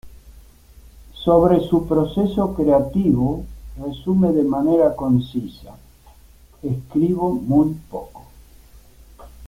Sobre su proceso creativo, resume de manera concisa: “escribo muy poco.